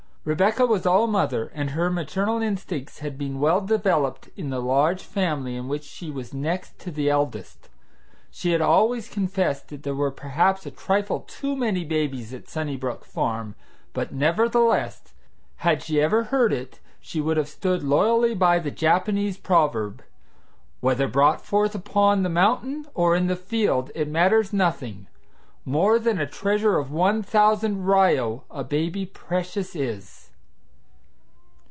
Rebecca was all mother, and her maternal instincts had been well developed in the large family in which she was next to the eldest. She had always confessed that there were perhaps a trifle too many babies at Sunnybrook Farm, but, nevertheless, had she ever heard it, she would have stood loyally by the Japanese proverb: "Whether brought forth upon the mountain or in the field, it matters nothing; more than a treasure of one thousand ryo a baby precious is."